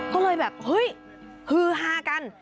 ก็เลยแบบเฮ้ยฮือฮากัน